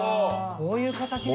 こういう形ね！